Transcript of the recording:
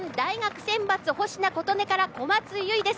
選抜保科琴音から小松優衣です。